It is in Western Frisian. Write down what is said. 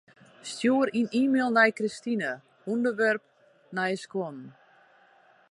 Stjoer in e-mail nei Kristine, ûnderwerp nije skuon.